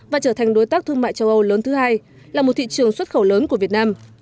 và trở thành đối tác thương mại châu âu lớn thứ hai là một thị trường xuất khẩu lớn của việt nam